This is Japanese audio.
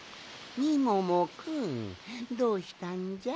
みももくんどうしたんじゃ？